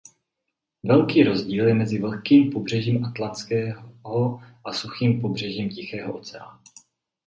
Velký rozdíl je mezi vlhkým pobřežím Atlantského a suchým pobřežím Tichého oceánu.